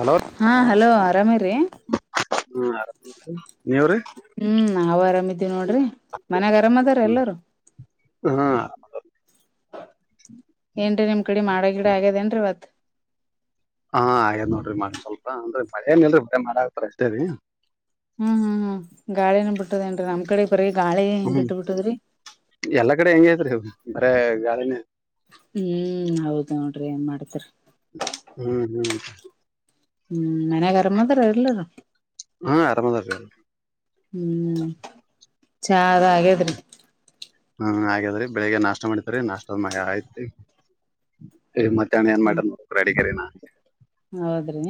Hello ಹಾ hello ಆರಾಮೀರಿ. ಹ್ಮ ನೀವ್ರಿ ಹ್ಮ್ ನಾವು ಆರಾಮ ಇದೀವಿ ನೋಡ್ರಿ ಮನ್ಯಾಗ ಆರಾಮ್ ಅದಾರ ಎಲ್ಲಾರೂ. ಹ್ಮ್. ಏನ್ರೀ ನಿಮ್ಮ್ ಕಡೆ ಮಾಡ ಗಿಡ ಆಗ್ಯದೇನ್ರೀ ಇವತ್ತ. ಹಾ ಆಗ್ಯದ ನೋಡ್ರಿ ಮ್ಯಾಮ್ ಸ್ವಲ್ಪ ಅಂದ್ರೆ ಮಳಿ ಏನಲ್ರಿ [unintelligible] ಮಾಡ್ತರ ಅಷ್ಟರಿ. ಹ್ಮ್ ಹ್ಮ್ ಹ್ಮ ಗಾಳಿನ ಬಿಟ್ಟದೇನ್ರಿ ನಮ್ ಕಡೆ ಬರೇ ಗಾಳಿ ಹ್ಮ್ ಬಿಟ್ಟ ಬಿಟ್ಟದ್ರಿ. ಎಲ್ಲಾ ಕಡೆ ಹೆಂಗೆ ಆದ್ರಿ ಅದ್ ಬರೇ ಗಾಳಿನೇ. ಹ್ಮ್ ಹೌದ್ ನೋಡ್ರಿ ಏನ್ ಮಾಡ್ತರಿ. ಹ್ಮ್, ಹ್ಮ್ ಹ್ಮ್ ಮನ ಗರಮದರ ಇಲ್ಲರು. ಹಾ ಆರಾಮದರಾ. ಹ್ಮ್ ಚ ಹಾಗೇದ್ರಿ. ಹ್ಮ್ ಹಾಗಾದ್ರೀ ಬೆಳಿಗ್ಗೆ ನಾಷ್ಟ ಮಾಡತರಿ ನಾಷ್ಟದ ಮ ಐತ್ರಿ. ಮತ್ತೆ ಮಧ್ಯಾಹ್ನ ಏನ್ ಮಾಡಿರಿ. [inaudible] ಹೌದ್ರಿ.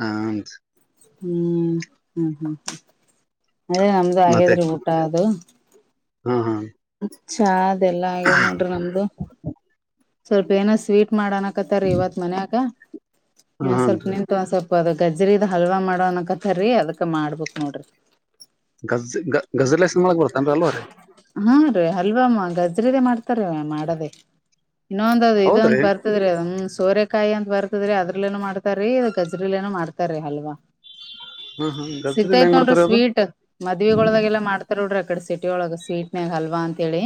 ಹ- ಹ್ಮ್ ಹ್ಮ್ ಹ್ಮ್ ಅದೇ ನಮ್ದು ಹಾಗಗಾದ್ರಿ ಊಟ ಅದು. ಹ್ಮ ಹಾ- ಚಾ ಅದ ಎಲ್ಲಾ ಆಗ್ಯದ್ ನೋಡ್ರಿ ನಮ್ದು. ಸ್ವಲ್ಪ ಏನ ಸ್ವೀಟ್ ಮಾಡಣಕತ್ತಾರೀ ಇವತ್ ಮನ್ಯಾಗ ಹ್ಮ್ ಇನ್ನ ಹನ್ರಿ ಸ್ವಲ್ಪ. ಸ್ವಲ್ಪ ಅದ ಗ್ಜರಿದ ಹಲ್ವಾ ಮಾಡೋನಕಥರಿ ಅದಕ್ ಮಾಡ್ಬಕ್ ನೋಡ್ರಿ. ಗಜ್ ಗಜ ಲೈಸನ್ ಮಾಡಳಗ್ ಬರ್ತೇನ್ರಿ ಅಲ್ವ ರೀ. ಹಾ ರೀ ಅಲ್ವಾ ಗಜ್ರದೇ ಮಾಡ್ತಾರೀ ಮಾಡದೆೇ ಇನ್ನೊಂದದು ಇದೊಂದ್ ಹೌದ್ರಿ ಬರ್. ತದೀ್ ಸೋರೆಕಾಯಿ ಅಂತ ಬರ್ತದ್ರೀ ಅದ್ರಲೇನನು ಮಾಡ್ತಾರೀ ಗಜ್ರಲ್ಲೇನನು ಮಾಡ್ತಾರೀ ಅಲ್ವಾ. [unintelligible] ಗಜ್ಜರಿಲ್ ಸೀತಯತ್ ಹೆಂಗ್ ನೋಡ್ರಿ ಮಾಡ್ತಾರ ಅದು ಸ್ವೀಟ್ ಮದ್ಗದಾಗೆಲ್ಲಾ ಮಾಡ್ತ. ನೋಡ್ರಿ ಕಡೆ ಸಿಟಿ ಒಳ ಸ್ವೀಟ್ ನಾಗ ಹಲ್ವಾ ಅಂತ ಹೇಳಿ.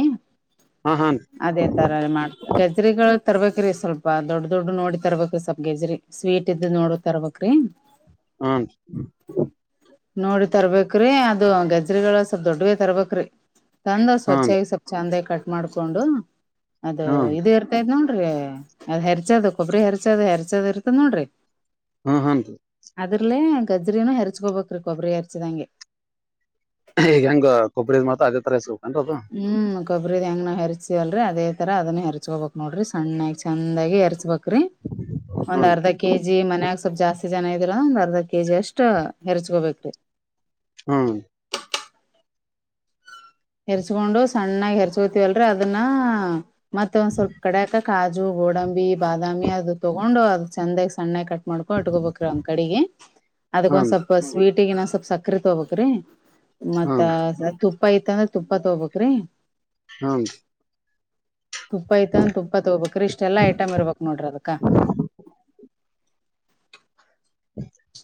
ಹಾ ಹಾ- ಅದೇ ತರ ಮಾಡ್ತ ಗಜ್ರಿಗಳು ತರ್ಬೇಕೇ್ರೀ ಸ್ವಲ್ಪ ದೊಡ್ಡ ದೊಡ್ಡ ನೋಡಿ ತರ್ಬೇಕೇ್ರಿ ಸ್ವಲ್ಪ ಗಜ್ರಿ. ಸ್ವೀಟ್ ಇದ್ದ ನೋಡ ತರ್ಬ್ರಿ. ಹ್ಮ- ನೋಡಿ ತರ್ಬೇಕೇ್ರಿ ಅದು ಗಜ್ರಗಳು ಸ್ವಲ್ ದೊಡ್ವ ತರ್ಬೇಕ್ರಿ. ತಂದ ಹ್ಮ್ ಸ್ವಚ್ಛಗ ಸ್ವಲ್ ಚಂದಾಗಿ ಕಟ್ ಮಾಡ್ಕೊಂಡು ಅದು ಹ್ಮ್ ಇದೇ. ್ ನೋಡ್ರಿ ಅದ್ ಹೆರಚದು ಕೊಬ್ಬರಿ ಹೆರಚದು ಹೆರ್ಚದು್ ಇರ್ತ ನೋಡ್ರಿ. ಹಾ ಹಾ ರೀ- ಅದ್ರಲೇ ಗಜ್್ರನ ಹರ್ಚ್ಕೋಬೇಕ್ರೀ ಕೊಬ್ಬರಿ ಹರ್ಚಿದಂಗೆ. ಈಗ ಹೆಂಗ ಕೊಬ್ಬರಿದ್ ಮಾತ್ರ ಅದ ತರ ಸಕ ಅಂತ ಅದು. ಹ್ಮ್ ಕೊಬ್ಬ್ರದ ಹೆಂಗ ನಾವು ಹೆರ್ತೀವಲ್ರಿ ಅದೇ ತರ ಅದನ್ನ ಹೆರ್ಚ್ಕೋಬೇಕಕ್ ನೋಡ್ರಿ ಸಣ್ಣಾಗಿ ಚಂದಾಗಿ ಎ ಹೆರ್ಸ್ಬೇಕಕ್. ್ರಿ ಒಂದ್ ಹ್ಮ್ ಅರ್ಧ. ಕೆ ಜಿ ಮನ್ಯಾಗ ಸ್ವಲ್ಪ್ ಜಾಸ್ತಿ ಜನ ಇದಿಲ್ಲಾ ಒಂದ್ ಅರ್ಧ ಕೆ ಜಿ ಅಷ್ಟ ಹೆರ್ಚ್ಕೋಬೇಕೇ್ರೀ. ಹ್ಮ್- ಎರ್ಚ್ಕೊಂಡು ಸಣ್ಣಾಗಿ ಎರ್ಚ್ಕೋತಿವಲ್ರ ಅದನ್ನ ಮತ್ತೆ ಒಂದ್ ಸ್ವಲ್ಪ ಕಡಕಕ್. ಕಾಜು ಗೋಡಂಬಿ ಬಾದಾಮಿ ಅದು ತೊಗೊಂಡು ಅದು ಚಂದಾಗ ಸಣ್ಣ ಕಟ್ಟ. ಮಾಡ್ಕೊಂಡ ಉಟ್ಕೋಬೇಕ್ರ ಒಂದ್ ಕಡೆಗೆ ಅದಕ್ ಒಂದ ಹ್ಮ್ ಸ್ವಲ್ಪ ಸ್ವೀಟಗ ಸ್ವಲ್ಪ ಸಕ್ಕ. ಸಕ್ರೆ ತೊಬಕ್್ರಿ ಮತ್ತ ಹ್ಮ್ ತುಪ್ಪ ತ್ತ ಅಂದ್ರ ತುಪ್ಪ ತಗಬಕ್್ರಿ. ಹ್ಮ- ತುಪ್ಪ ಐ್ತ ಅಂದ ತುಪ್ಪ ತಗೋಬೇಕಕ್್ರಿ ಇಷ್ಟ ಎಲ್ಲ ಐಟ್ ಇರ್ಬೇಕಕ್ ನೋಡ್ರಿ ಅದಕ.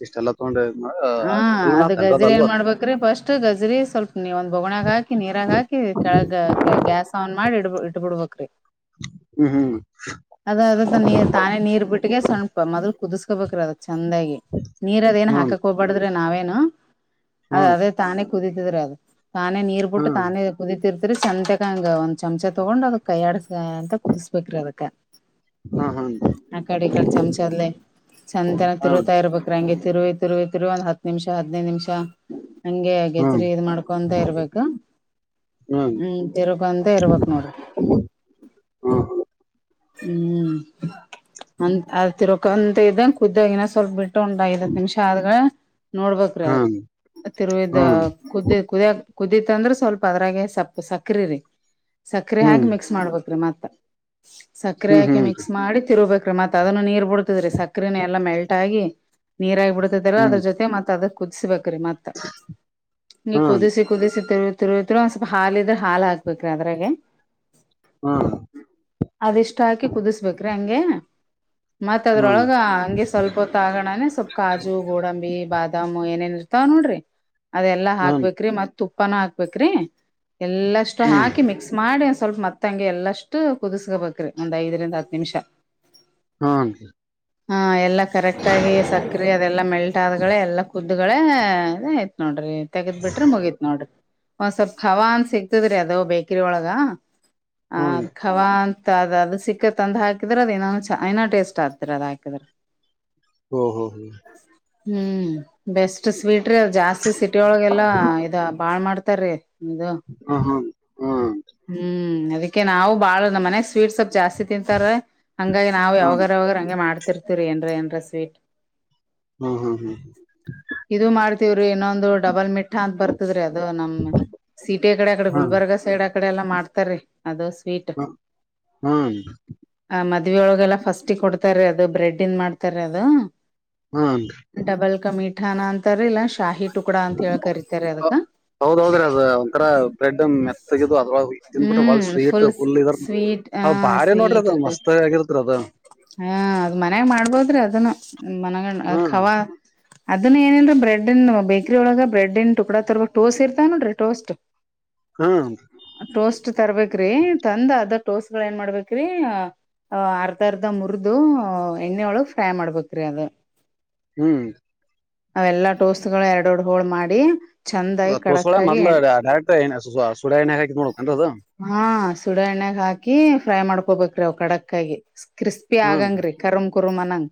ಇಷ್ಟೆಲ್ಲ ತಗೊಂಡೆ ಎಲ್ಲ ನಾತನ್ ಅದ ಅಲ್ವರ. ಬ್ರೆ ಫಸ್ಟ್ ಗಜರಿ ಸ್ವಲ್ಪ ನೀ ಒ. ಬೊಗಣಾಗ ಹಾಕಿ ನೀರಾಗ ಹಾಕಿ ಕೆಳಗ್ಗ ಗ್ಯಾಸ್ ಆನ್ ಮಾಡಿ ಇ ಇಟ್ಟಬ ಬಿಡ್ಬಕ್್ರಿ. ಹ್ಮ್ ಹ್ಮ್- ಅದ ಅದ ನೀ ತಾನೇ ನೀರ್ ಬಿಟ್ಟಿಗೆ ಸ್ವಣಪ ಮೊದ್ಲು ಕುದಿಸಕೋಬೇಕ್ರ ಅದ ಚಂದಾಗಿ. ನೀರ್ದ ಏನ್ ಹ್ಮ್ ಹಾಕಕ್ ಹೋಗ್ಬಾರಡಿದ್ರಿ ನಾವೇನು ಅದ್ ಹ್ಮ್ ಅದೇ ತಾನೇ ಕುದತಿದ್ರಿ ಅದ. ತಾನೇ ನೀರ್ ಬಿಟ್ಟು ಹ್ಮ್ ತಾನೇ. ಕುದೀತಿರ್ತರಿ ಚೆತ್ಯಾಕ ಹಂಗೆ ಚಮಚ ತಗೋಂಡ ಒಂದ್ ಚಮಚಾ ತೊಗೊಂಡ್ ಅದ ಕೈಯ್ಯಾಡಸ ಅಂತ ಕುದಿಸ್ಬೇಕ್ರಿ ಅದಕ್ ಹ್ಮ್ ಹ್ಮ್ ಆ ಕಡೆ ಈ ಕಡೆ ಚಮಚದಲ್ಲೇ ಚೇತೆನ ಹ್ಮ್ ತಿರುತಾ ಇರ್ಬೇಕ್ರ ಹಂಗೆ ತಿರು ತಿರುವ ತಿರುವ ಅದ ಹತ್ತು ನಿಮಿಷ ಹದಿನೈದು ನಿಮಿಷಾ ಹಗೆ ಹ್ಮ್ ಗೆಜ್ರಿ ಇ ಮಾಡ್ಕೊಂತ ಇರ್ಬೇಕ ಹ್ಮ್ ತಿರುಕೋಂತ ಇರ್ಬೇಕ್ ನೋಡ್ರಿ ಹುಂ ಹುಂ ಹುಂ ಅಂತ ಅದ ತಿರಕೊಂತ ಇದ್ದಂಗ ಕುದ್ದಾಗಿನ ಸ್ವಲ್ಪ ಬಿ ಒಂದ ಐದತ್ ಹತ್ತ ನಿಮಿಷ ಆದಗಳೇ ನೋಡಬೇಕರಿ ಅ ತಿರವಿದ ಹ್ಮ್ ಕುದ್ದ ಕುದಿಯ ಕುದೀತ್ ಅಂದ್ರ ಸ್ವಲ್ಪ ಅದ್ರಾಗೆ ಸಪ್ಪು ಸಕ್ರೆ ರೀ ಸಕ್ಕರೆೆ ಹ್ಮ್ ಹಾಕಿ ಹ್ಮ್ ಮಿಕ್ಸ್ ಮಾಡ್ಬೇಕ್ರೀ ಮತ್ತ ಸಕ್ಕರೆೆ ಹಾಕಿ ಹ್ಮ್ ಹ್ಮ್ ಮಿಕ್ಸ್ ಮಾಡಿ ತಿರುಬೇಕ ಮತ್ ಅದನ್ನ ನೀರ್ ಬಿಡ್ತಿದ್ರೀ ಸಕ್ರೆ ಎಲ್ಲಾ ಮೆಲ್ಟ್ ಆಗಿ ನೀರ್ ಆಗಿ ಬಿಡ್ತಿದರ ಹ್ಮ್ ಹ್ಮ್ ಹ್ಮ್ ಅದ್ರ ಜೊತೆ ಮತ್ ಅದ ಕುದಿಸಬೇಕ್ರೀ ಮತ್ತ ಕುದಿಸಿ ಕುದಿಸಿ ತಿರುವ ತಿರುವಿರ ಒಂದು ಸ್ವಲ್ಪ ಹಾಲಿದ್ರ ಹಾಲ ಹಾಕ್ಬೇಕ್ರೀ ಅದ್ರೆ ಹುಂ ಅದಿಷ್ಟಾ ಹಾಕಿ ಕುದಿಸ್ಬೇಕ್ರಿ ಹಂಗೆ ಮತ್ತ ಹ್ಮ್ ಅದ್ರೊಳಗ ಹಂಗೆ ಸ್ವಲ್ಪ ಹೊತ್ತ ಆಗಣಾನನೆ ಸೊಪ್ ಕಾರಾ ಕಜು ಗೋಡಂಬಿ ಬಾದಾಮ್ ಏನೇನ್ ಇರ್ತಾವ ನೋಡ್ರಿ ಅದೆಲ್ಲಾ ಹ್ಮ್ ಹಾಕ್ಬೇಕ್ರಿ ಮತ್ತ ತುಪ್ಪನ ಹಾಕ್ಬೇಕ್ರಿ ಎಲ್ಲಷ್ಟು ಹ್ಮ್ ಹಾಕಿ ಮಿಕ್ಸ್ ಮಾಡಿ ಒಂದ ಸ್ವಲ್ಪ ಮತ್ತ ತಂಗಿ ಎಲ್ಲಷ್ಟು ಕುದಿಸಕಬೇಕ್ರಿ ಒಂದ್ ಐದರಿಂದ ಹತ್ ನಿಮಿಷ ಹುನರೀ ಹಾ ಎಲ್ಲಾ ಕರೆಕ್ಟ್ ಆಗಿ ಸಕ್ಕ ಅದೆಲ್ಲಾ ಮೆಲ್ಟ್ ಆದಗಳೆ ಎಲ್ಲಾ ಕುದ್ಗಳೇ ಅ ಆಯತ್ ನೋಡ್ರಿ ತೆಗದ್ ಬಿಟ್ರಿ ಮುಗೀತ್ ನೋಡ್ರಿ ಒಂದ್ ಸ್ವಲ್ಪ್ ಖವಾ ಅನ್ ಸಿಗ್ತದ್ರಿ ಅದ ಬೇಕ್ರಿ ಒಳಗ ಆ ಹ್ಮ್ ಅ ಖವಾ ಅಂತ ಅದ್ ಸಿಕ್ಕ ತಂದ್ ಹಾಕಿದ್ರ ಅದ ಇನ ಚನ ಟೇಸ್ಟ್ ಆಗ್ತರ ಅದ ಹಾಕಿದ್ರ ಹೂ ಹೋ ಹೋ ಹುಂ ಬೆಸ್ಟ್ ಅಷ್ಟ್ ಸ್ವೀಟ್ ರೀ ಅ ಜಾಸ್ತಿ ಸಿಟಿಳಗೆಲ್ಲಾ ಇ ಬಾಳ್ ಮಾಡ್ತಾರೀ ಇದು ಹಾ ಹಾ ಹಾ ಹ್ಮ್ ಅದಕ್ಕೆ ನಾವು ಬಾಳ ನಮ್ಮ ಮನೆ ಸ್ವೀಟ್ಸ್ ಸೇ ಜಾಸ್ತಿ ತಿಂತಾರ ಹಂಗಾಗಿ ನಾವವು ಹ್ಮ್ ಯಾವಾಗರಾವಾಗ ಹಂಗೆ ಮಾಡ್ತಿರ್ತಿವರಿ ಏನ್ರ ಏರ ಸ್ವೀಟ್ ಹುಂ ಇದು ಮಾಡ್ತವ್ರಿ ಇನ್ನೊಂದು ಡಬಲ್ ಮಿಟ್ಟ ಅಂತ ಬರ್ತದ್ರಿ ಅದು ನಮ್ಮ ಸೀಟೆ ಕಡೆ ಆಕಡೆ ಹ್ಮ್ ಗುಲ್ಬರ್ಗಾ ಸೈಡ್ ಆಕಡೆ ಎಲ್ಲಾ ಮಾಡ್ತಾರೀ ಅದು ಸ್ವೀಟ್ ಹುಂ ಆ ಮದವಿಒಳಗೆಲ್ಲ ಫಸ್ಟಿ ಕೊಡ್ತಾರೀ ಅದು ಬ್ರೆಡ್ ಇನ್ ಮಾಡ್ತಾರ ಅದು ಹುಂ ಡಬಲ್ ಕಮೀಠಾನಾ ಅಂತಾರಿ ಇಲ್ಲಾ ಶಾಹಿ ಟುಕ್ಡಾ ಅಂತ ಹೇಳ ಕರಿತಾರಿ ಅದಕ್ಕ ಹೌದೌದ್ರಿ ಅದ ಒಂದ ತರಾ ಬ್ರೆಡ್ ಮೆತ್ತಗಿದು ಅದರೊಳಗ ತಿಂದನ್ಬಿಟ್ರೆ ಒಳಗ ಹ್ಮ್ ಸ್ವೀಟ್ ಫುಲ್ ಪುಲ್ ಸ್ವೀಟ್ ಅದ ಹ ಬಾರಿ ನೋಡ್ರಿ ಸ್ವೀಟ್ ಅದ ಇರ್ತೈತಿ ಮಸ್ತ್ ಆಗಿರ್ತ್ರಿ ಅದು ಹಾ ಅದ್ ಮನ್ಯಾಗ ಮಾಡ್ಬೋದ್ರಿ ಅದನ್ನು ಮನಗಂಡ ಹ್ಮ್ ಖವಾ ಅದನ್ನ ಏನೇನ್ರ ಬ್ರೆಡ್ ಇ ಬೇಕ್ರರಿ ಒಳಗ ಬ್ರೆಡ್ನ್ ಟುಡ ತರ್ಬೇಕ ಟೋಸ್ ಇರತಾವ ನೋಡ್ರಿ ಟೋಸ್ಟ್ ಹುಂ ಟೋಸ್ಟ್ ತರ್ಬೇಕ ರೀ ತಂದ ಅದ ಟೋಸ್ಟ ಏನ್ ಮಾಡ್ಬೇಕ್ರಿ ಅಹ ಅರ್ಧ ಅರ್ಧ ಮುರಿದು ಎಣ್ಣೆೊಳಗ್ ಫ್ರೈ ಮಾಡ್ಬೇಕ್ರಿ ಅದ ಹುಂ ಅವೆಲ್ಲಾ ಟೋಸ್ ಗಳು ಎರಡು ಎರಡ್ ಹೋಳು ಮಾಡಿ. ಚಂದಾಗಿ ತೋ ಸಳ ಕಡಕ್ಕಾಗಿ ಮದ್ ಎಣ್ಣೆ ಡರೆಕ್ಟ ಸು್ಯೋ ಎಂತ. [inaudible] ಹಾ ಸುಡ ಎಣ್ಣಾಗ ಹಾಕಿ ಫ್ರೈ ಮಾಡ್ಕೊಬೇಕ್ರಿ ಅವ ಕಡಕ್ಕಾಗಿ ಕ್ರಿಸ್ಪಿ ಹ್ಮ್ ಆಗಂಗ್ರಿ. ಕರಂ ಕರು ಮ ನಂಗ.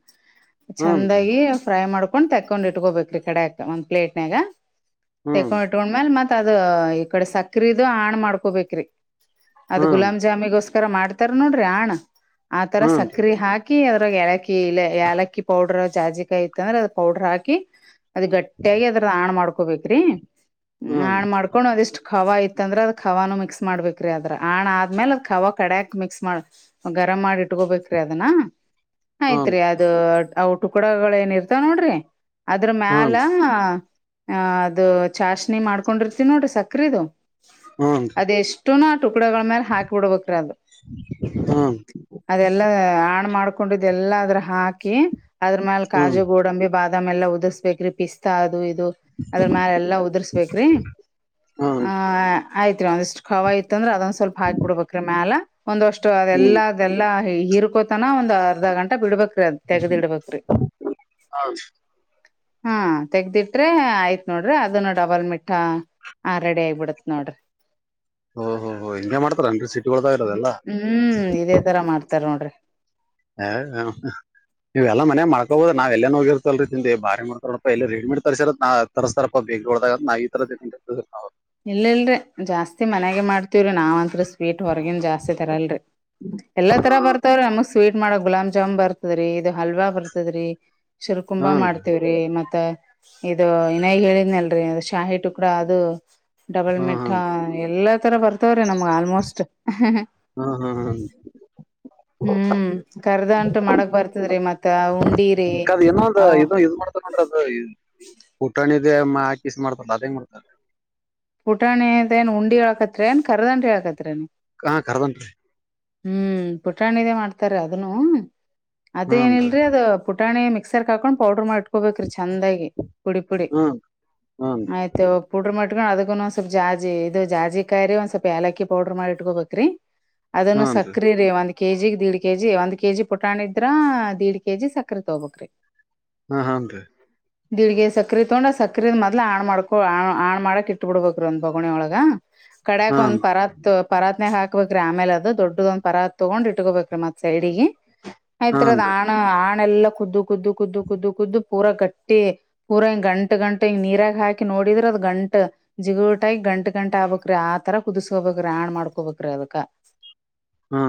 ಹ್ಮ್ ರೀ ಚಂದಾಗಿ ಫ್ರೈ ಮಾಡ್ಕೊಂಡ್ ತಕೊಂಡ್ ಇಟ್ಕೋಬೇಕ್ರೀ ಕಡೆಕ ಒಂದ್ ಪ್ಲೇಟ್ನ್ಯಾಗ. ಹ್ಮ್ ತೆಕೊಂಡ್ ಇಟ್ಕೊಂಡ್ಮ್ಯಲ್ ಮತ್ ಅದ ಈ ಕಡೆ ಸಕ್ರದುು ಹಣ ಮಾಡ್ಕೊಬೇಕ್ರಿ. ಅದ್ ಹ್ಮ್ ಗುಲಾ್ ಜಾಮಿಗೋಸ್ಕರ ಮಾಡ್ತಾರ ನೋಡ್ರಿ ಆಣ ಆತರ ಹ್ಮ್ ಸಕ್ರೆ ಹಾಕಿ. ಹಕಿ ಅದ್ರಾಗ ಏಲಕ್ಕಿ ಇಲ್ಲ ಏಲಕ್ಕಿ ಪೌಡರ್ ಜಾಜಿಕಾಯಿ ಇತ್ತ ಅಂದ್ರೆ ಅದರ ಪೌಡರ್ ಹಾಕಿ. ಅದ ಗಟ್ಟಿಯಾಗಿ ಅದ್ರ ಹಾಣ ಮಾಡ್ಕೊಬೇಕ್ ರೀ ಹ್ಮ್ ಹಾಣು ಮಾಡ್. ಕೊಣೊ ಅದಿಷ್ಟು ಖಾವ ಇತ್ತು ಅಂದ್ರೆ ಅದ್ ಖಾವನು ಮಿಕ್ಸ್ ಮಾಡ್ಬೇಕ್ರೀ ಅದ್ರ ಹಾಣ ಆದ್ಮೇಲೆ ಕಾವ ಕಡೆಯಾಕ್ ಮಿಕ್ಸ್ ಮಾಡ. ಗರಮ್ ಮಾಡಿ ಇಟ್ಕೋಬೇಕ್ರೀ ಅದನ್ನ. ಆಯ್ತಾ ಹ್ಮ್ ಹ್ಮ್ ರೀ ಅದು ಅವು ಟುಕುಡಗಳೇನು ಇರ್ತಾವೆ ನೋಡ್ರಿ. ಅದ್ರ ಹ್ಮ್ ಮ್ಯಾಲ. ಹ ಅದು ಚಾಷಣಿ ಮಾಡ್ಕೊಂಡಿ ಇರ್ತೀವಿ ನೋಡ್ರಿ ಸಕ್ಕರಿದು. ಹೂ- ದೇಷ್ಟುನು ಆ ಟುಕುಡಗಳ ಮೇಲೆ ಹಾಕಿ ಬಿಡ್ಬೇಕ್ರ ಅದು. ಹ್ಮ್ ಅದೆಲ್ಲಾ ಹಣ ಮಾಡ್ಕೊಂಡಿದೆಲ್ಲ ಅದ್ರ ಹಾಕಿ ಅದ್ರ ಮ್ಯಾಲ ಹ್ಮ್ ಕಾಜು ಗೋಡಂಬಿ ಬಾದ. ಅದ ಮೆಲ್ಲ ಉದ್ರಿಸ್ಬೇಕ್ರಿ ಪಿಸ್ತಾ ಅದು ಇದು. ದು ಅದ್ರ ಮ್ಯಾಲ ಎಲ್ಲಾ ಉದ್ರಿಸ್ಬೇಕ್ರಿ ಹ್ಮ್ ಆ ಆ. ಆಯ್ತ್ರಿ ಒಂದಿಷ್ಟ ಖವ ಇತಾಂದ್ರೆ ಅದೊಂದು ಸ್ವಲ್ಪ ಹಾಕಿ ಬಿಡ್ಬೇಕ್ರಿ ಮ್ಯಾಲ ಒಂದ್ಅಷ್ಟು ಅದೆಲ್ಲ. ಅದೆಲ್ಲಾ ಹೀರ್ಕೋತನ ಒಂದ್ ಅರ್ಧ ಘಂಟೆ ಬಿಡ್ಬೇಕ್ರಿ ತೆಗದಿಡ್ಬೇಕು. ಹ- ಹಾ ತೆಗದಿಟ್ರೆ ಆಯ್ತ್ ನೋಡ್ರಿ ಅದನ್ನು ಡಬಲ್ ಮಿಟ್ಟ. ಹಾ ರೆಡಿ ಆಗ್ಬೀಡುತೆ ನೋಡ್ರಿ. ಓ ಓ ಇದನ್ನೇ ಮಾಡ್ತಾರೇನ್ರಿ ಸಿಟಿಒಳಗೆ ಇರೊರೇಲ್ಲ. ಹ್ಮ್ ಇದೇ ತರ ಮಾಡ್ತಾರೆ ನೋಡ್ರಿ. ಹ - ನೀವುವೆಲ್ಲ ಮನೆಯಾಗ ಮಾಡ್ಕೋಬೋದ ನಾವ್ ಎಲ್ಲೆನೋ ಹೋಗಿರ್ತಲ್ರಿ ತಿಂದು ಬಾರಿ ಮಾಡ್ತಾರಪ್ಪ ಎಲ್ಲಿ ರೆಡಿಮೇಡ್ ತರಿಸರೇನೊ ಅಂತ. ತರಿಸ್ತ್ತಾರಪ್ಪ ಬೇಕರಿ ಒಳದಾಗ ನಾ ನಾವ್ ಈ ತರ ತಿಂತ ನಾವು. ಇಲ್ಲ ಇಲ್ರೀ ಜಾಸ್ತಿ ಮನೆಯಾಗ ಮಾಡ್ತ್ವ್ರೀ ನಾವ್ ಅಂದ್ರು. ಸ್ವೀಟ್ ಹೊರಗಿನ್ದ್ ಜಾಸ್ತಿ ತರಲ್ಲರೀ ಎಲ್ಲಾ ತರ ಬರ್ತಾವ್ರೀ ನಮಗಾ ಸ್ವೀಟ್ ಮಾಡೋ ಬರಗಿ ಗುಲಾಬ್. ಜಾಮ್ ಬರ್ತದ್ರೀ ಇದು ಹಲ್ವಾ ಬರ್ತದ್ರೀ ಚಿಲುಕುಂಬಾ ಮಾಡ್ತೇವೀ. ರೀ ಮತ್ತ ಇದು ಇನೖಲ್ ಹೇಳಿದ್ನಲ್ರೀ ಅದು ಶಾಹಿ ಟುಕುಡ ಅದು. ಡಬಲ್ ಹ್ಮ್ ಮಿಠಾ ಹ್ಮ್ ಎಲ್ಲಾ ತರ ಬರ್ತವ್ರೀ ನಮ್ಗೆ ಆಲ್ಮೋಸ್ಟ್. ಅ ಹ್ಮ್ ಹ್ಮ್- ಹ್ಮ್ ಕರ್ದ ಅಂಟ್ ಮಾಡಕ್ಕಾ ಬರ್ತದ್ರೀ ಮತ್ತ ಉಂಡಿರೀ ಅವು. ಹೊ ಪುಟಾಣಿದ ಮಾಕಿಸ್ ಮಾಡಬೇಕು ಅದ ಹೆಂಗ್ ಮಾಡ್ತಾರ. ಪುಟಾಣಿ ಅದೇನ್ ಉಂಡಿ ಹಾಕತ್ರೇನ್ ಕರದಂಟ್ರಿ ಹಾಕ್ತಿರೇನ್ ನೀ. ಹಾ ಕರದಂಟ್ರಿ ರೀ. ಹ್ಮ್ ಪುಟಾಣಿದೆೇ ಮಾಡ್ತಾರ ಅದನ್ನು ಹ್ಮ್ ಅದೇನಿಲ್ರೀ ಅದ್. ಪುಟಾಣಿ ಮಿಕ್ಸರ್ ಹಾಕೊಂಡು ಪೌಡರ್ ಮಾಡಿ ಇಟ್ಕೋಬೇಕ್ರಿ ಚಂದಾಗಿ ಪುಡಿ ಪುಡಿ ಹ್ಮ್ ಹ್ಮ್ ಆ. ಇದ್ ಪೌಡರ್ ಮಾಡಿಕೊಂಡ ಅದ್ದಕನು ಒಂದ್ ಸ್ವಲ್ಪ ಜಾಜಿ ಇದು ಜಾಜಿ ಕಾಯಿ ರೀ ಒಂದ ಸ್ವಲ್ಪ ಏಲಕ್ಕಿ ಪೌಡರ್ ಮಾಡಿ ಇಟ್ಕೊ ಬೇಕ್ರೀ. ಅದನ್ನು ಹ್ನ್ರಿ ಸಕ್ಕರಿ ರೀ ಒಂದ್. ಕೆಜಿ ದೀಡ್ ಕೆಜಿ ಒಂದ್ ಕೆಜಿ ಪುಟಾಣ ಇದ್ರ ದೀಡ್ ಕೆಜಿ ಸಕ್ಕರಿ ತಕೊಬೇಕ್ರಿ. ಆ ಹಾ ರೀ- ದಿಲ್ಗೆ ಸಕ್ಕರಿ ತಗೊಂಡ್ ಆ ಸಕ್ಕರಿಲ್ಲಿ ಮೊದ್ಲ ಆಣ್ ಮಾಡ್ಕೊ ಆಣ್ ಮಾಡೊಕ್ಕೆ ಇಟ್ಬೀಕ್ರೀ ಒಂದ್ [unintelligible] ಕಡ್ಯಾಕ್ ಒಂದ್ ಹನ್ ಪರಾತ್ ಪರಾತ್ನ್ಯಾಗ ಹಾಕ್ಬೇಕ್ರಿ ಆಮೇಲೆ ಅದ್. ದೊಡ್ಡದೊಂದ್ ಪರಕ್ ತಕೊಂಡ್ ಇಟ್ಕೋಬೇಕ್ರೀ ಮತ್ತ್ ಸೈಡಿಗೆ ಆಯ್ತರೀ ಹನ್ರಿ ಹಾಣಿ. ಆ ಹಣೆಲ್ಲಾ ಕುದು ಕುದು ಕುದು ಕುದು ಕುದು ಪೂರ ಗಟ್ಟಿ. ಪುರ ಹಿಂಗ ಗಂಟ್ ಗಂಟ್ ಹಿಂಗ ನೀರಾಗ ಹಾಕಿ ನೋಡಿದ್ರೆ ಅದ್ ಗಂಟ್. ಜಿಗುಟಾಗಿ ಗಂಟ್ ಗಂಟ್ ಆಗ್ಬೇಕ್ರೀ ಆ ತರ ಕುದಿಸ್ಕೋಬೇಕ್ರೀ ರಣ್ ಮಾಡ್ಕೊಬೇಕ್ರೀ ಅದಕ್ಕ. ಹಾ.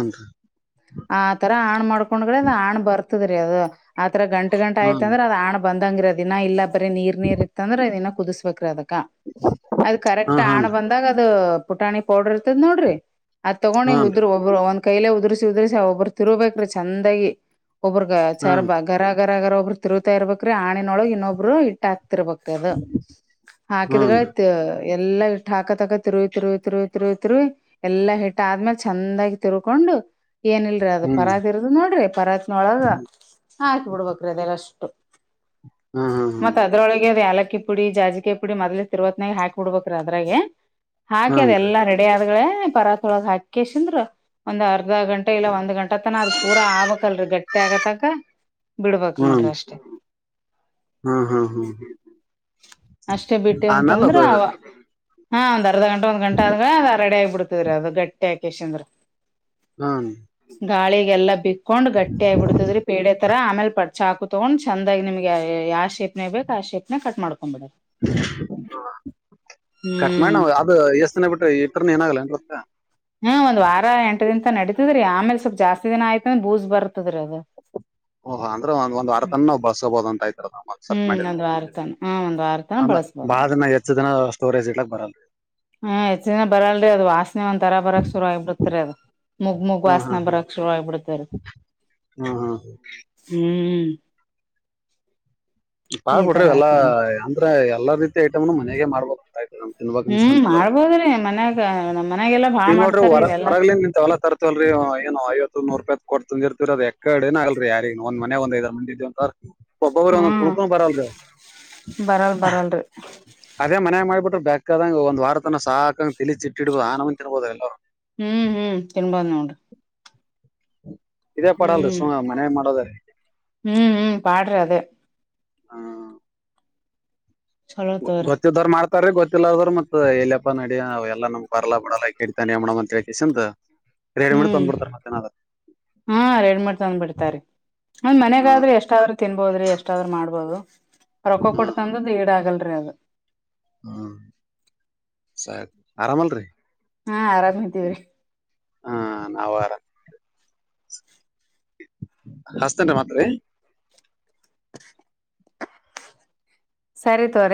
ಆತರ ಹಣ್ ಮಾಡ್ಕೊಂಡ್ಗಳೆ ಅ ಹಣ್ ಬರ್ತದ್ರೀ ಅದು ಆತರ ಗಂಟ ಗಂಟ ಆಯ್ತ ಹನ್ ಅಂದ್ರೆ ಅದ ಹಣ್. ಬಂದಂಗ್ರಿ ಅ ದಿನ ಇಲ್ಲ ಬರೀ ನೀರ್ ನೀರ್ ಇತ್ತ ಅಂದ್ರೆ ಆದೀನ ಕುದಿಸ್ಬೇಕ್ರಿ ಅದಕ್ಕ. ಅದ್ ಹ ಕರೆಕ್ಟ್ ಹಾಣ ಹನ್ರಿ ಬಂದಾಗ ಅದ ಪುಟಾಣಿ ಪೌಡರ್ ಇರ್ತದ ನೋಡ್ರಿ ಅದ ತಗೊಂಡ್ ಇಗ ಉದ್. ಹನ್ರಿ ಒಬ್ರು ಒಂದ್ ಕೈಲೆ ಉದುರಿಸಿ ಉದುರಿಸಿ ಒಬ್ಬರು ತಿರುಬೇಕ್ರೀ ಚೆಂದಾಗಿ ಒಬ್ಬ್ರಗ ಚಾರ್ ಹನ್ ಬಾಗ್. ಗರ ಗರ ಗರ ಒಬ್ರು ತಿರುತ್ತಾ ಇರ್ಬೇಕ್ರೀ ಹಾಣಿನೊಳಗ್ ಇನ್ನೊಬ್ರು ಇಟ್ಟಾಕಿ. ತ್ತರಬಕ್ತ ಅದು ಹಾಕಿದ್. ಹನ್ರಿ ಎಲ್ಲಾ ಇಟ್ಟು ಹಾಕತಾಕ ತಿರು ತಿರು ತಿರು ತಿರು ತಿ ಎಲ್ಲಾ ಹಿಟ್ಟ ಆದ್ಮೇಲೆ. ಚಂದಾಗಿ ತಿರ್ಕೊಂಡು ಏನಲ್ರಿ ಅದ ಹ್ಮ್ ಪರ ಇರು. ಅದು ನೋಡ್ರಿ ಪರತ್ನೊಳಗ ಹಾಕ್ ಬಿಡ್ಬ್ರೀ ಅದೆಲ್ಲ ಅಷ್ಟು. ಹ್ಮ್. ಅದ್ರೊಳಗೆ ಅದ್ ಆಲಕ್ಕಿ ಪುಡಿ ಜಾಜಕಿ ಪುಡಿ ಮೊದ್ಲಿ ತಿರ್ವತ್ನಾಗ ಹಾಕ್ಬ ಬಿಡ್ಬೇಕ್ರೀ ಅದರ್ಗೆ. ಹಾಕಿ ಹ್ಮ್ ಅದ ಎಲ್ಲಾ ರೆಡಿ ಆದ್ಳೆ ಪರತೊಳಗ್ ಹಾಕಿ. ಕೇಶ್ ಅಂದ್ರರು ಒಂದ್ ಅರ್ಧ ಗಂಟೆ ಇಲ್ಲ ಒಂದ್ ಗಂಟೆ ತನ ಅದ ಪೂರ ಆಗ್ಬಕ್ಲಲ್ರಿ ಗಟ್ಟಿ. ತ್ಯಗ ತಾಗ ಬಿಡ್ಬಕ್ ಹ್ಮ್ ನೋಡ್ರಿ ಹನ್ರಿ ಅಷ್ಟೇ. ಹ್ಮ್ ಹ್ಮ್ ಅಷ್ಟೇ ಬಿಟ್ಟೆ ಆಮೇಲೆ ಅಂತಂದ್ರ ಅದು ಅವ. ಹಾ ಒಂದ್ ಅರ್ಧ ಗಂಟಾ ಒಂದ್ ಗಂಟೆ ಅ ಅ ರೆಡಿ ಆಗ್ಬಿಡ್ತವ್ರ ಅದು ಗಟ್ಟಿ ಆಕೇಶ ಅಂದ್ರ. ಹಾ ಗಾಳಿಗೆಲ್ಲಾ ಬಿಕ್ಕೊಂಡ್ ಗಟ್ಟಿ ಆಗ್ಬಿಡ್ತದ್ರಿ ಪೇಡೆ ತರ ಆಮೇಲ್ ಪಡ್ತ. ಚಾಕು ತೊಗೊಂಡ್ ಚಂದಾಗಿ ನಿಮಗೆ ಯಾವ ಶೇಪ್ನೇ ಬೇಕು ಆ ಶೇಪ್ನಗ ಕಟ್ ಮಾಡ್ಕೊಂಡ್ ಬಿಡಿ. ಕಟ್ ಮಾಡ ಹ್ಮ್ ಅದು ಎಷ್ಟ ದಿನ ಬಿಟ್ರೆ ಇತರ್ನ ಏನಾಗಲ್ಲ ಏನ್ತ್ತ. ಹ್ಮ್ ಒಂದ್ ವಾರ ಎಂಟ ದಿನಾ ನಡಿತತದ್ರೀ ಆಮೇಲೆ ಸ್ವಲ್ಪ ಜಾಸ್ತಿ ದಿನ ಆಯ್ತ ಅಂದ ಬೂಜಸ್ ಬರ್ತದ್ರರಿ ಅದು. ಓಹಾ ಅಂದ್ರ ಒಂದುವಾರ ತಾನಾ ನಾವು ಬಳಸಬಹುದು ಅಂತ ಆಯ್ತು ಹ್ಮ್ ಒಂದ್ ಆಗದ್ರೆ. ವಾರತನ ಹಾ ಒಂದ್ ವಾರತನ ಅಂದ ಬಳಸ್ಬೋದ್ ಬಾಳ ನೋಡ್ರಿ ದಿನ ಹೆಚ್ಚ ದಿನ ಸ್ಟೋರೇಜ್ ಇಡ್ಲಕ್ ಬರ್ಲಾ. ಹ್ಮ್ ಹೆಚ್ಚ ದಿನ ಬರಲ್ರಿ ಅದು ವಾಸನೆ ಒಂತರ ಬರಕ್ ಶುರು ಆಗಿ ಬಿಡ್ತರಿ ಅದು ಮುಗಗ್ ಮುಗಗ್ ವಾಸನೆ ಬರಕ್ ಶುರು. [unintelligible] ಹಾ. ಹ್ಮ್ ಈ ಬಾಳ್ ಬಿಡ್ರಿ ತರ ಎಲ್ಲಾ ಆತದ ಅಂದ್ರ ಎಲ್ಲಾ ರೀತಿ ಐಟಮ್ನು ಮನೆಗೆ ಮಾಡ್ಬೋಂತ ಆತ್ ಹ್ಮ್ ನಮ್. ಮಾಡ್ಬೋದ್ರಿ ಮನ್ಯಾಗ ನಮ್ ಮನ್ಯಾಗೆಲ್ಲಾ ಈಗ ಬಾಳ್ ನೋಡ್ರಿ ಮಾಡ್ತಾರೀ ಇವೆಲ್ಲಾ ಹೊರಗ್ಲಿಂದ ಇಂತವವು ಎಲ್ಲಾ. ಲ್ರಿ ಏನು ಐವತ್ತು ನೂ ರೂಪಾಯತ್ ಕೊಡ್ತಂದಿರ್ತವರಿ ಅದ ಎಕಡ ಏ ಆಗಲ್ರಿ ಯಾರ ಒಂದ್. ಒಂದೇಂತ ಒಬ್ಬೊರು ಒಂದ ಹ್ಮ್ ಕುುಳ್ಕ ಬರಲ್ರಿ. ಬರಲ್ ಬರಲ್ರಿ ಅದೇ ಮನೆ ಮಾಡ್ಬ ಬಿಟ್ಟ್ರ ಬೇಕಾದಂಗ ಒಂದ ವಾರತನ ಸಾಕಂಗ ತಿಳಿ ಇಟ್ಟಿಡ್ಬಹದು ಆನಂದ ತಿನ್ಬಹುದು ಎಲ್ಲರು. ಹ್ಮ್ ಹ್ಮ್ ತಿನ್ನಬಹುದು ನೋಡ್ರಿ. ಇದೇ [unintelligible] ಹ್ಮ್ ಸುಮ್ನೆ ಮನೇಲಿ ಮಾಡೋದ್ರ. ಹ್ಮ್ ಹ್ಮ ಪಾಡ್ರಿ ಅದೇ ಚಲೋ ತೋರಿ ಗೊತ್ತಿದೋರು. ಗೊತ್ತಿಲ್ಲ ಅದರ್ ಮತ್ತತ್ ಎಲ್ಲಿಯಪ್ಪಾ ನಡಡಿ ಅವ ಎಲ್ಲ ನಮ್ಗ್ ಬರಲ್ಲಾ ಬಿಡಲ್ಲ ಕಿಡ್ತಾನೆ ಅ ಮಾಡಡ ಅಂತ ಹೇತತ್. ರೇಡಿ ಮಿ ತಂದ್ ಬಿಡ್ತಾರೆ ಮತ್ತೆನಾದೆ [unintelligible] ಹ್ಮ್, ರೆಡಿಮೇಡ ತಂದ್ ಬಿಡ್ತಾರೆ. ಒಂದ್ ಹ್ಮ್ ಮನೆಗಾದ್ರೆ ಎಷ್ಟಾದ್ರೂ ತಿನ್ಬೋದ್ರಿ, ಎಷ್ಟಾದ್ರರು ಮಾಡ್ಬೋದು ರೊಕ್ಕ ಕೊಟ್ಟ ಹ್ಮ್ ತಂದ ಈಡ ಆಗಲ್ರಿ ಅದು. ಹ್ಮ್, ಸರಿ ಆರಾಮಲ್ರಿ ಹಾ, ಆರಾಮಿದಿವ್ರೀ. ಹಾ ನಾವರ [unintelligible] ಹಸ್ತನ ಮಾತ್ರಿ [unintelligible] ಸರಿ ತೋಗರಿ